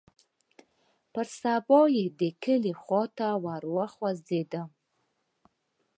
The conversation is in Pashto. پر سبا يې د کلي خوا ته وخوځېدم.